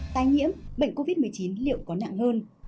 tai nhiễm bệnh covid một mươi chín liệu có nặng hơn